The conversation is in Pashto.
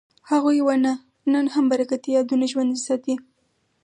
هغه ونه نن هم برکتي یادونه ژوندي ساتي.